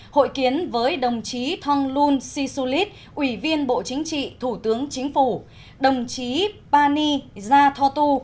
hội kiến với đồng chí thong lung si su lít ủy viên bộ chính trị thủ tướng chính phủ đồng chí pani gia tho tu